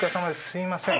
すいません